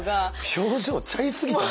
表情ちゃいすぎたね。